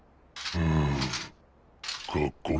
うん！